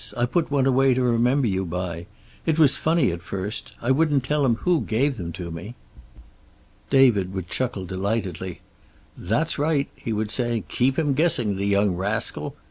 I put one away to remember you by. It was funny at first. I wouldn't tell him who gave them to me." David would chuckle delightedly. "That's right," he would say. "Keep him guessing, the young rascal.